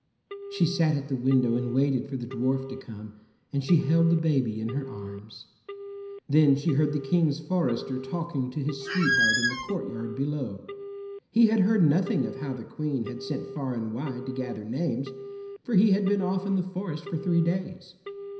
She sat at the window and waited for the dwarf to come, and she held the baby in her arms. Then she heard the King's forester talking to his sweetheart in the courtyard below. He had heard nothing of how the Queen had sent far and wide to gather names, for he had been off in the forest for three days.